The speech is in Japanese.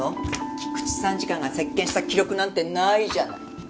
菊池参事官が接見した記録なんてないじゃない。